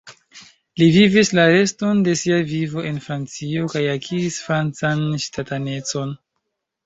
Li vivis la reston de sia vivo en Francio kaj akiris francan ŝtatanecon.